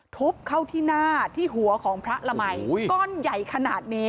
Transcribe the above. ทุบเข้าที่หน้าที่หัวของพระละมัยก้อนใหญ่ขนาดนี้